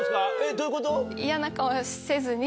どういうこと？